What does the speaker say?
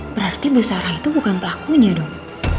berarti bu sarah itu bukan pelakunya dong